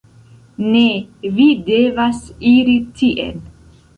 Ne, vi devas iri tien.